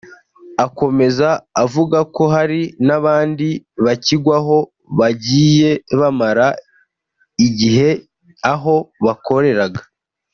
Akomeza avuga ko hari n’abandi bakigwaho bagiye bamara igihe aho bakoreraga